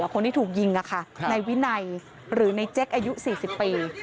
คนที่ถูกยิงในวินัยหรือในเจ๊กอายุ๔๐ปี